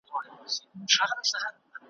دا دنيا به مالامال وي له بدلارو `